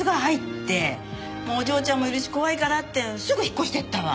もうお嬢ちゃんもいるし怖いからってすぐ引っ越していったわ。